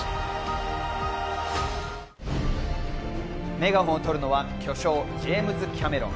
メガホンを取るのは巨匠、ジェームズ・キャメロン。